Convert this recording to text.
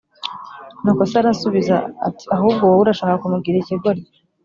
Nuko se arasubiza ati: “Ahubwo wowe urashaka kumugira ikigoryi.